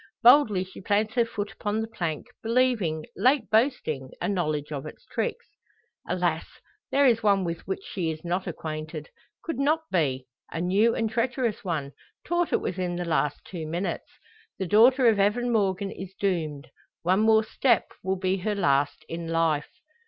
Boldly she plants her foot upon the plank, believing, late boasting, a knowledge of its tricks. Alas! there is one with which she is not acquainted could not be a new and treacherous one, taught it within the last two minutes. The daughter of Evan Morgan is doomed; one more step will be her last in life!